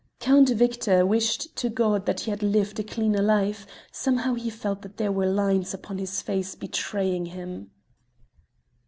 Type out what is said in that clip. Count Victor wished to God that he had lived a cleaner life: somehow he felt that there were lines upon his face betraying him.